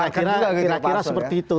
kira kira seperti itu